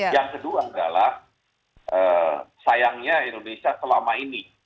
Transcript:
yang kedua adalah sayangnya indonesia selama ini